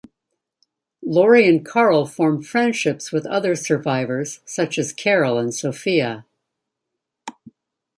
Lori and Carl form friendships with other survivors such as Carol and Sophia.